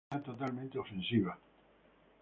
Era totalmente ofensiva.